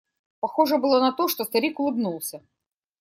Похоже было на то, что старик улыбнулся.